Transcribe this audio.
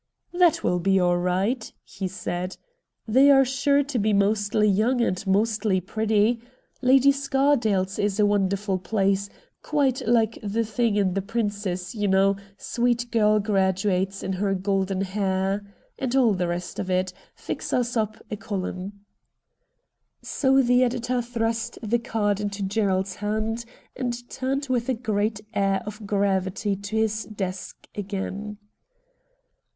' That will be all right,' he said. ' They are sure to be mostly young and mostly pretty. Lady Scardale's is a wonderful place, quite like the thing in " Tlie Princess," you know, " sweet girl graduates in their golden hair '' and all the rest of it. Fix us up a column.' So the editor thrust the card into Gerald's hand and turned with a great air of gravity to his desk again.